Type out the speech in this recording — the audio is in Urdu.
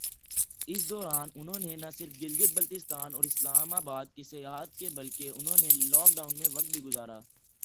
اس دوران انھوں نے نہ صرف گلگت بلستان اور اسلام آباد کی سیاحت کی بلکہ انھوں نے لاک ڈاون میں وقت بھی گزرا۔